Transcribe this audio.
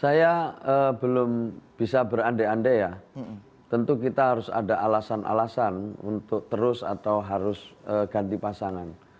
saya belum bisa berandai andai ya tentu kita harus ada alasan alasan untuk terus atau harus ganti pasangan